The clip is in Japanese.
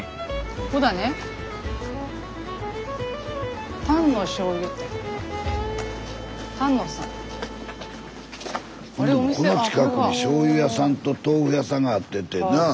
こんな近くにしょうゆ屋さんと豆腐屋さんがあってってなあ。